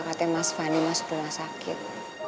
katanya mas fani masuk rumah sakit